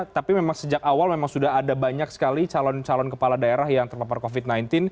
tapi memang sejak awal memang sudah ada banyak sekali calon calon kepala daerah yang terpapar covid sembilan belas